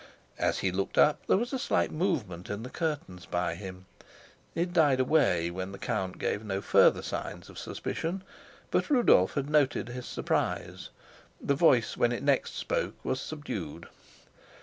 As he looked up, there was a slight movement in the curtains by him; it died away when the count gave no further signs of suspicion, but Rudolf had noticed his surprise: the voice, when it next spoke, was subdued.